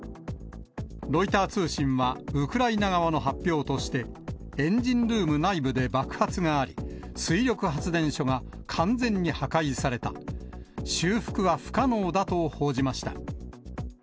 ロイター通信は、ウクライナ側の発表として、エンジンルーム内部で爆発があり、水力発電所が完全に破壊された、修復は不可能だと報じました。